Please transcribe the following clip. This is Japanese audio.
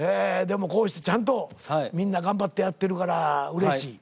でもこうしてちゃんとみんな頑張ってやってるからうれしい。